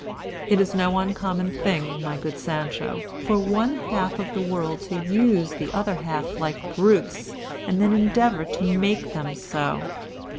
"It is no uncommon thing, my good Sancho, for one half of the world to use the other half like brutes, and then endeavor to make them so.